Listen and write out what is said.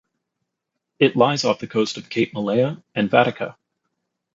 It lies off the coast of Cape Malea and Vatika.